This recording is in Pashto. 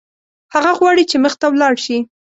هغه غواړي چې مخته ولاړ شي.